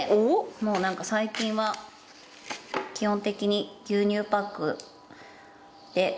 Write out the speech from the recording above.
もうなんか最近は基本的に牛乳パックでものを切る。